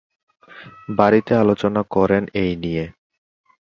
বাড়িতে আলোচনা করেন এই নিয়ে।